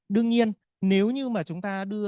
đương nhiên nếu như mà chúng ta đưa